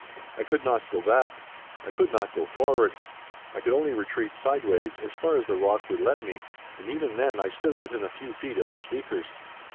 I could not go back. I could not go forward. I could only retreat sideways as far as the rock would let me, and even then I stood within a few feet of the speakers.